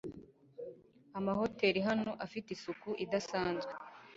Amahoteri hano afite isuku idasanzwe.